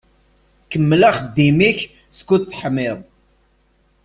Kemmel axeddim-ik skud teḥmiḍ.